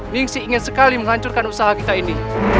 ning si ingin sekali menghancurkan usaha kita ini